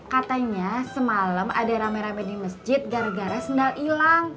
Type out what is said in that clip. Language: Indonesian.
katanya semalam ada rame rame di masjid gara gara sendal hilang